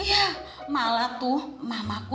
iya malah tuh mamaku